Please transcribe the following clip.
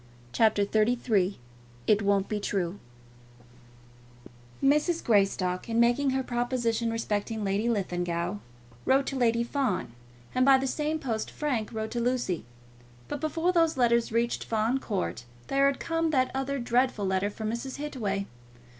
CHAPTER XXXIII "It Won't Be True" Mrs. Greystock, in making her proposition respecting Lady Linlithgow, wrote to Lady Fawn, and by the same post Frank wrote to Lucy. But before those letters reached Fawn Court there had come that other dreadful letter from Mrs. Hittaway.